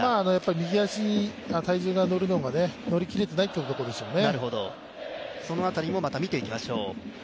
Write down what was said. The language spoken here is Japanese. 右足に体重に乗るのが、乗りきれていないというところでしょうね。